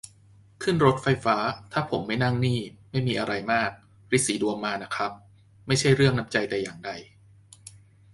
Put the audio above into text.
ขึ้นรถไฟฟ้า ถ้าผมไม่นั่งนี่ ไม่มีอะไรมาก ริดสีดวงมาน่ะครับ ไม่ใช่เรื่องน้ำใจแต่อย่างใด